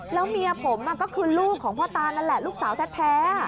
แล้วเมียผมก็คือลูกของพ่อตานั่นแหละลูกสาวแท้